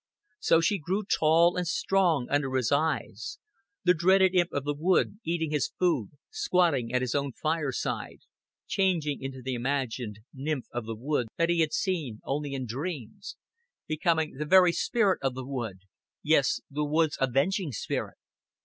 So she grew tall and strong under his eyes the dreaded imp of the wood eating his food, squatting at his own fireside; changing into the imagined nymph of the wood that he had seen only in dreams; becoming the very spirit of the wood yes, the wood's avenging spirit.